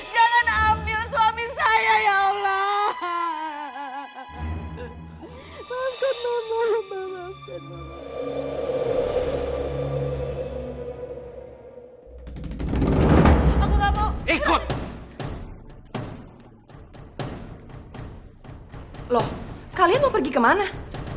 jangan ambil suami saya ya allah